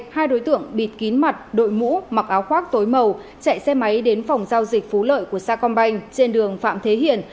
hai đối tượng bịt kín mặt đội mũ mặc áo khoác tối màu chạy xe máy đến phòng giao dịch phú lợi của sacombank trên đường phạm thế hiển